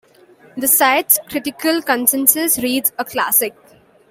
The site's critical consensus reads, A classic.